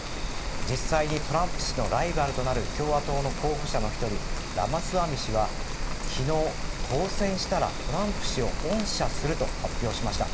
実際にトランプ氏のライバルとなる共和党の候補の１人ラマスワミ氏は昨日、当選したらトランプ氏を恩赦すると発表しました。